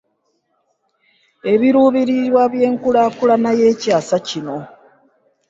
Ebiruubirirwa by’Enkulaakulana y’Ekyasa kino.